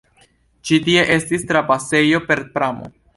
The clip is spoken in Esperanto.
Ĉi tie estis trapasejo per pramo.